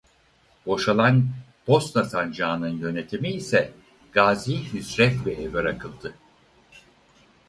Boşalan Bosna Sancağı'nın yönetimi ise Gazi Hüsrev Bey'e bırakıldı.